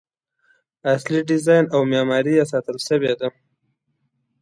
اصلي ډیزاین او معماري یې ساتل شوې ده.